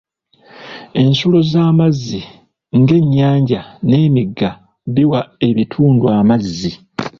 Ensulo z'amazzi ng'ennyanja n'emigga biwa ekitundu amazzi.